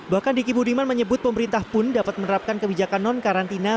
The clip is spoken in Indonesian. bahkan diki budiman menyebut pemerintah pun dapat menerapkan kebijakan non karantina